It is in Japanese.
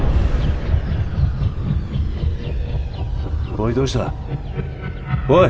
おいどうした？おい！